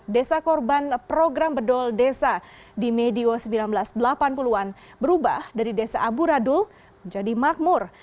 desa korban program bedol desa di medio seribu sembilan ratus delapan puluh an berubah dari desa abu radul menjadi makmur